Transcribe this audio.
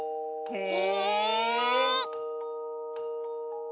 へえ。